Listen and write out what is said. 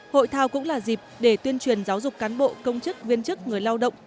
hội thao cũng là dịp để tuyên truyền giáo dục cán bộ công chức viên chức người lao động